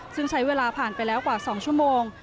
ซึ่งใช้เวลาผ่านไปแล้วกว่า๒ชั่วโมง